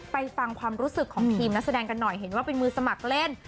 ฟังความรู้สึกของทีมนักแสดงกันหน่อยเห็นว่าเป็นมือสมัครเล่น